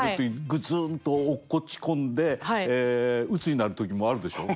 ブツンと落ち込んでうつになる時もあるでしょう？